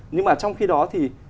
nhưng mà trong khi đó thì